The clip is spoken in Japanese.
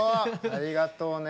ありがとうね。